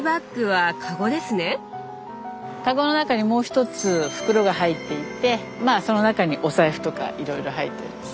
かごの中にもう１つ袋が入っていてまあその中にお財布とかいろいろ入ってるんです。